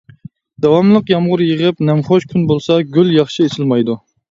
داۋاملىق يامغۇر يېغىپ نەمخۇش كۈن بولسا، گۈل ياخشى ئېچىلمايدۇ.